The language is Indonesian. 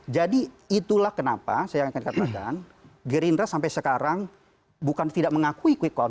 jadi itulah kenapa saya akan katakan gerindra sampai sekarang bukan tidak mengakui quickon